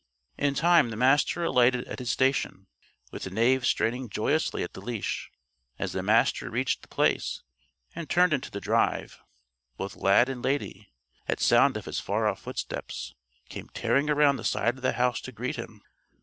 In time the Master alighted at his station, with Knave straining joyously at the leash. As the Master reached The Place and turned into the drive, both Lad and Lady, at sound of his far off footsteps, came tearing around the side of the house to greet him.